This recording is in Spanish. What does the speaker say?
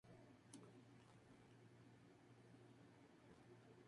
Se multiplican mediante semillas.